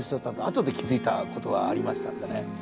後で気付いたことがありましたんでね。